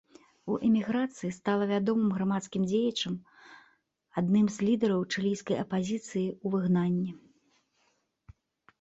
У эміграцыі стала вядомым грамадскім дзеячам, адным з лідараў чылійскай апазіцыі ў выгнанні.